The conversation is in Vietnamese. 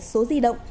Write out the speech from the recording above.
số di động